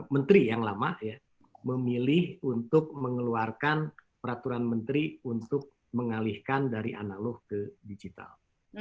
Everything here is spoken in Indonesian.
menteri yang lama memilih untuk mengeluarkan peraturan menteri untuk mengalihkan dari analog ke digital